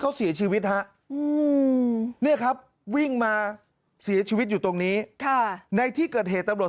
เขาเสียชีวิตนะวิ่งมาเสียชีวิตอยู่ตรงนี้ในที่เกิดเหตุบริษัท